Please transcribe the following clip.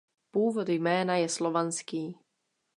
Původ jména je slovanský.